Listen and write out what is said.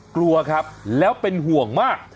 กลัวครับแล้วเป็นห่วงมาก